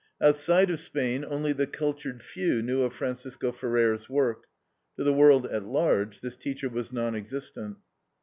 Outside of Spain only the cultured few knew of Francisco Ferrer's work. To the world at large this teacher was non existent.